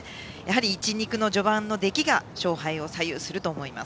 １、２区の序盤の出来が勝敗を左右すると思います。